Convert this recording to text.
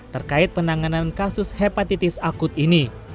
terkait penanganan kasus hepatitis akut ini